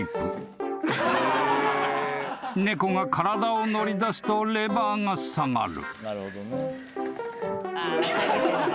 ［猫が体を乗り出すとレバーが下がる］